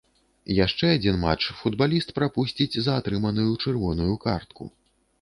Яшчэ адзін матч футбаліст прапусціць за атрыманую чырвоную картку.